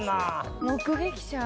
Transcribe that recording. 目撃者？